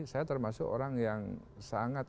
saya termasuk orang yang sangat